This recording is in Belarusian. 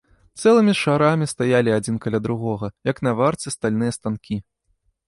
Цэлымі шарамі стаялі адзін каля другога, як на варце, стальныя станкі.